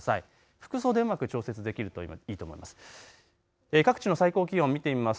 服装でうまく調節できるといいと思います。